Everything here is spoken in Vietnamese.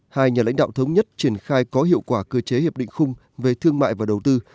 hai nhà lãnh đạo thống nhất triển khai có hiệu quả cơ chế hiệp định khung về thương mại và đầu tư